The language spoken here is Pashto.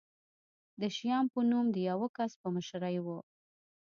د شیام په نوم د یوه کس په مشرۍ و.